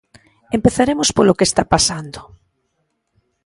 Empezaremos polo que está pasando.